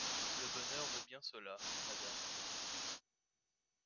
Le bonheur vaut bien cela, Madame.